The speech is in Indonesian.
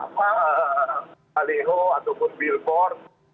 kaleho ataupun wilkor